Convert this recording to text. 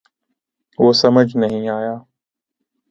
وہ سمجھ نہیں آیا